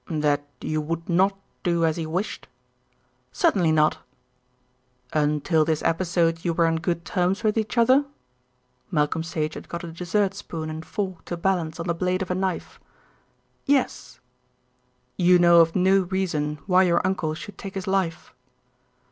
"That you would not do as he wished?" "Certainly not." "Until this episode you were on good terms with each other?" Malcolm Sage had got a dessert spoon and fork to balance on the blade of a knife. "Yes." "You know of no reason why your uncle should take his life?"